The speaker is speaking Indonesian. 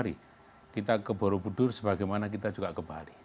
mari kita ke buru budur sebagaimana kita juga ke bali